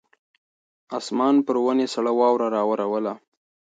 اسمان پر ونې سړه واوره راووروله.